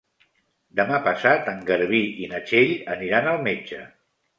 Demà passat en Garbí i na Txell aniran al metge.